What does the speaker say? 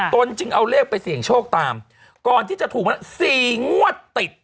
ตนจึงเอาเลขไปเสี่ยงโชคตามก่อนที่จะถูกมาแล้ว๔งวดติด